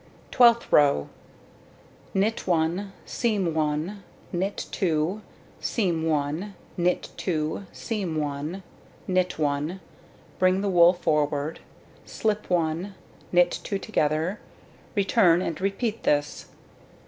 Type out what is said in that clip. Twelfth row: Knit 1, seam 1, knit 2, seam 1, knit 2, seam 1, knit 1, bring the wool forward, slip 1, knit 2 together. Return and repeat this.